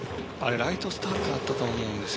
ライトスタンドだったと思うんです。